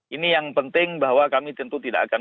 ini yang penting bahwa kami tentu tidak akan